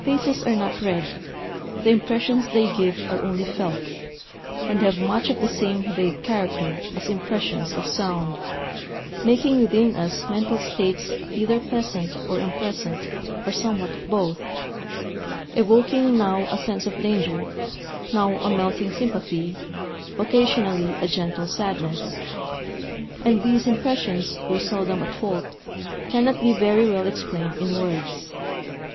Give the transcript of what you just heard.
Faces are not read. The impressions they give are only felt, and have much of the same vague character as impressions of sound, making within us mental states either pleasant or unpleasant or somewhat of both, evoking now a sense of danger, now a melting sympathy, occasionally a gentle sadness. And these impressions, though seldom at fault, cannot be very well explained in words.